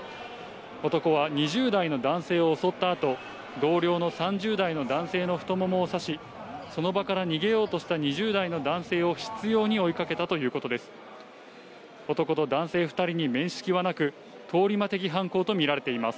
男は２０代の男性を襲ったあと、同僚の３０代の男性の太ももを刺し、その場から逃げようとした２０代の男性を執ように追いかけたということです。